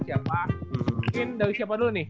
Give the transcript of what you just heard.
siapa mungkin dari siapa dulu nih